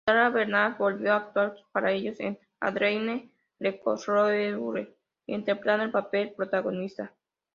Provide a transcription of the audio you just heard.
Sarah Bernhardt volvió a actuar para ellos en "Adrienne Lecouvreur", interpretando el papel protagonista.